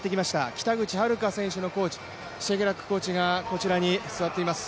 北口榛花選手のコーチ、シェケラックコーチがこちらに座っています。